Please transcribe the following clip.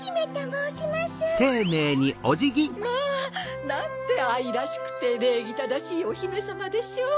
まぁ！なんてあいらしくてれいぎただしいおひめさまでしょう！